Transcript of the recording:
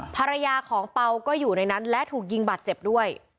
ภรรยาของเปล่าก็อยู่ในนั้นและถูกยิงบาดเจ็บด้วย